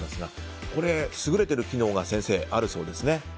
優れている機能があるそうですね。